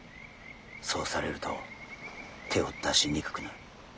そうされると手を出しにくくなる。